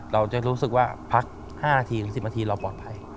เราจะรู้สึกว่าพัก๕นาทีหรือ๑๐นาทีเราปลอดภัย